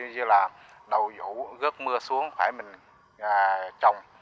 như là đầu vụ gớt mưa xuống phải mình trồng